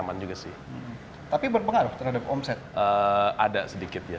masih cukup kecil ya